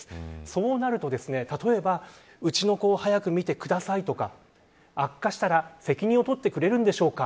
そうなると例えばうちの子を早く診てくださいとか悪化したら責任を取ってくれるんでしょうか。